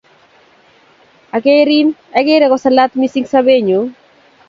Akerin akere kosalat missing' sobennyu.